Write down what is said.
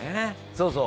そうそう。